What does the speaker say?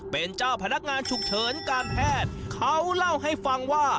เป็นเจ้าพนักงานฉุกเฉินการแพทย์เขาเล่าให้ฟังว่า